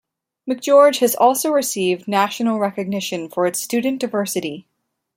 McGeorge has also received national recognition for its student diversity.